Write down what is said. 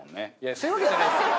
そういうわけじゃないんですよ。